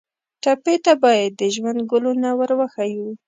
ټپي ته باید د ژوند ګلونه ور وښیو.